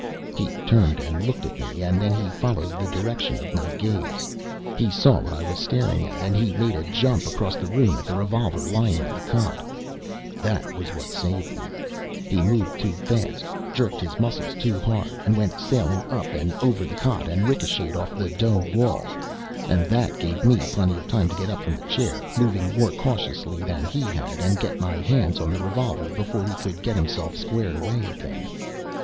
He turned and looked at me, and then he followed the direction of my gaze, and he saw what I was staring at, and he made a jump across the room at the revolver lying on the cot. That's what saved me. He moved too fast, jerked his muscles too hard, and went sailing up and over the cot and ricocheted off the dome wall. And that gave me plenty of time to get up from the chair, moving more cautiously than he had, and get my hands on the revolver before he could get himself squared away again.